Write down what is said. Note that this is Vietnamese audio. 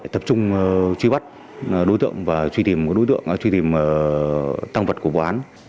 để tập trung truy bắt đối tượng và truy tìm tăng vật của vụ án